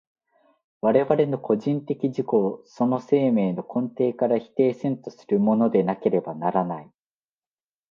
我々の個人的自己をその生命の根底から否定せんとするものでなければならない。